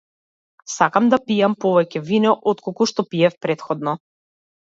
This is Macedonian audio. Сакам да пијам повеќе вино отколку што пиев претходно.